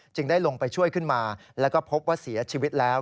ได้ลงไปช่วยขึ้นมาแล้วก็พบว่าเสียชีวิตแล้ว